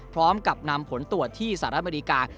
พร้อมกับนำผลตรวจที่สหรัฐอเมริกา